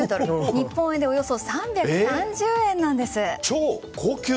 日本円でおよそ３３０円なんです。